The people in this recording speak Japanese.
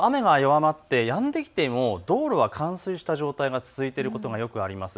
あと雨が弱まってやんできても道路は冠水した状態が続いていることがよくあります。